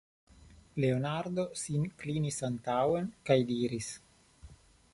Leonardo sin klinis antaŭen kaj diris: